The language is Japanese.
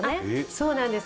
そうなんです。